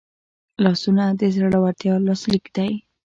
لاسونه د زړورتیا لاسلیک دی